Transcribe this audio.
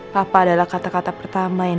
papa adalah kata kata pertama yang